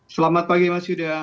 selamat pagi mas yuda